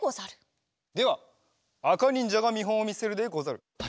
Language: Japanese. ではあかにんじゃがみほんをみせるでござる。